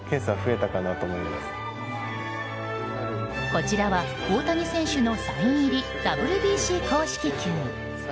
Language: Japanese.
こちらは大谷選手のサイン入りＷＢＣ公式球。